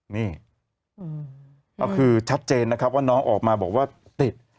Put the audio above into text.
นี่ก็คือชัดเจนนะครับว่าน้องออกมาบอกว่าติด